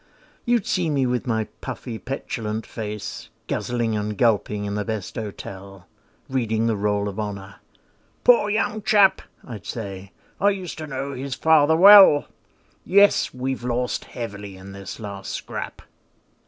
You'd see me with my puffy petulant face, Guzzling and gulping in the best hotel, Reading the Roll of Honour. "Poor young chap," I'd say "I used to know his father well; Yes, we've lost heavily in this last scrap."